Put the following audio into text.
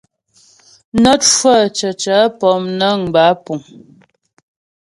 Nə́ cwə̂ cəcə̌ mònə̀ŋ bə́ á púŋ.